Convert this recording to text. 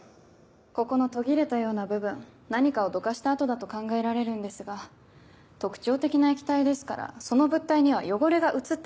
ここの途切れたような部分何かをどかした跡だと考えられるんですが特徴的な液体ですからその物体には汚れが移って残っているはずなんです。